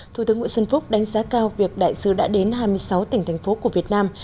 thủ tướng nguyễn xuân phúc đánh giá cao việc đại sứ đã đến hai mươi sáu tỉnh thành phố của việt nam